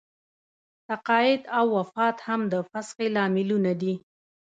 تقاعد او وفات هم د فسخې لاملونه دي.